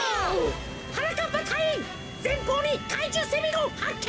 はなかっぱたいいんぜんぽうにかいじゅうセミゴンはっけん！